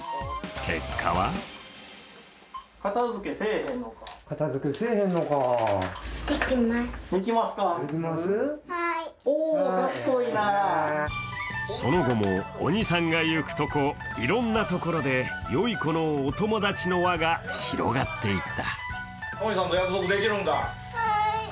結果はその後も、鬼さんが行くとこ、いろんなところでよい子のお友達の輪が広がっていった。